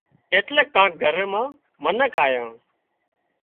ايٽليڪ ڪانڪ گھر نان منک آيان